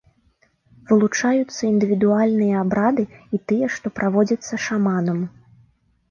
Вылучаюцца індывідуальныя абрады і тыя, што праводзяцца шаманам.